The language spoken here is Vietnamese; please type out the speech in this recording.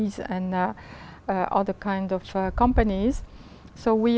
có thể thay đổi